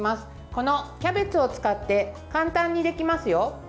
このキャベツを使って簡単にできますよ。